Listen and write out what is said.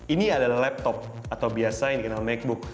ini adalah laptop atau biasa yang dikenal makebook